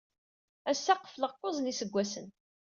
Ass-a, qefleɣ kuẓ n yiseggasen.